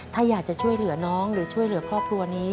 ถ้าอยากจะช่วยเหลือน้องหรือช่วยเหลือครอบครัวนี้